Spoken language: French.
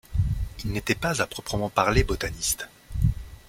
Il n'était pas à proprement parler botaniste.